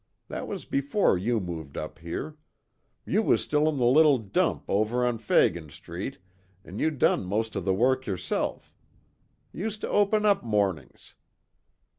That was before you moved up here. You was still in the little dump over on Fagin street an' you done most of the work yerself used to open up mornings.